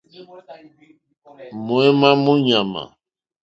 Mǒémá mó ɲàmà.